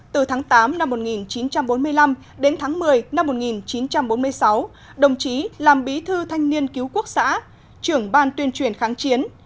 từ tháng tám năm một nghìn chín trăm bốn mươi năm đến tháng một mươi năm một nghìn chín trăm bốn mươi sáu đồng chí làm bí thư thanh niên cứu quốc xã trưởng ban tuyên truyền kháng chiến